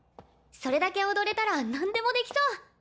それだけ踊れたら何でもできそう。